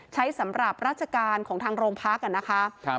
ใช้สำหรับราชการของทางโรงพักนะคะ